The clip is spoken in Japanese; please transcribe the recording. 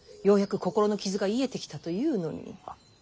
ようやく心の傷が癒えてきたというのに。